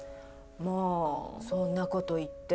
もうそんな事言って。